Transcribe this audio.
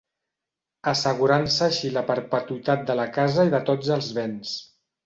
Assegurant-se així la perpetuïtat de la casa i de tots els béns.